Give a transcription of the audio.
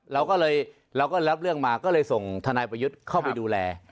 เราก็เลยเราก็รับเรื่องมาก็เลยส่งทนายประยุทธ์เข้าไปดูแล